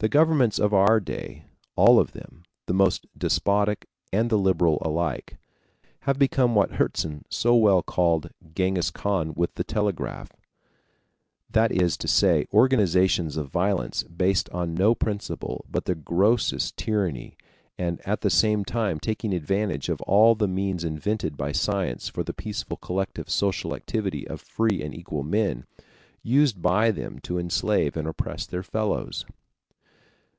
The governments of our day all of them, the most despotic and the liberal alike have become what Herzen so well called "Ghenghis Khan with the telegraph;" that is to say, organizations of violence based on no principle but the grossest tyranny, and at the same time taking advantage of all the means invented by science for the peaceful collective social activity of free and equal men, used by them to enslave and oppress their fellows.